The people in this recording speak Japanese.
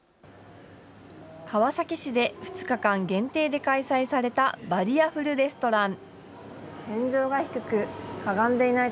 川崎市で２日間限定で開催されたバリアフルレストラン。